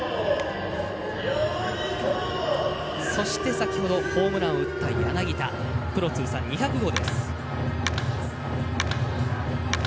そして先ほどホームランを打った柳田プロ通算２００号でした。